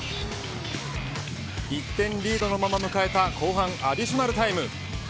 １点リードのまま迎えた後半アディショナルタイム。